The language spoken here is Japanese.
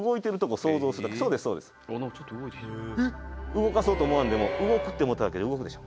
動かそうと思わんでも「動く」って思っただけで動くでしょ？